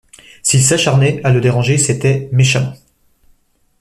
S’il s’acharnait à le déranger, c’était méchamment.